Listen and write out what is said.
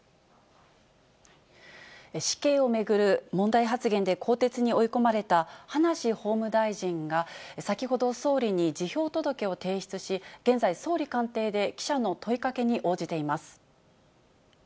死刑を巡る問題発言で更迭に追い込まれた葉梨法務大臣が、先ほど総理に辞表届を提出し、現在、総理官邸で記者の問いかけに応じています。